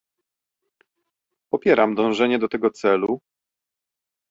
Popieram dążenie do tego celu